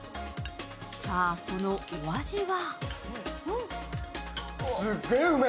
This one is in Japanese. さあ、そのお味は？